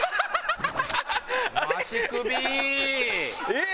えっ！